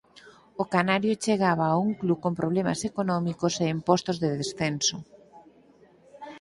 O canario chegaba a un club con problemas económicos e en postos de descenso.